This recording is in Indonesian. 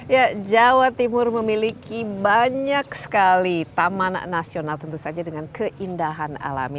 ya jawa timur memiliki banyak sekali taman nasional tentu saja dengan keindahan alami